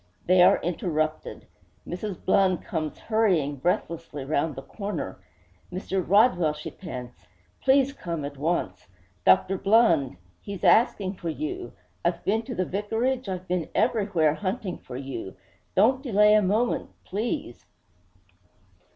They are interrupted. Mrs. Blund comes hurrying breathlessly round the corner. 'Mr. Rodwell,' she pants, 'please come at once! Dr. Blund! He's asking for you! I've been to the vicarage, I've been everywhere, hunting for you. Don't delay a moment, please!'